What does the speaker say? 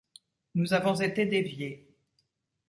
Nous avons été déviés.